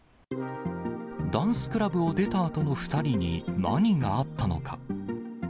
ダンスクラブを出たあとの２人に、何があったのか。